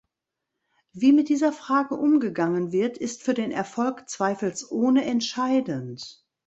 Wie mit dieser Frage umgegangen wird, ist für den Erfolg zweifelsohne entscheidend.